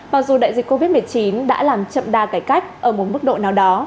mặc dù đại dịch covid một mươi chín đã làm chậm đa cải cách ở một mức độ nào đó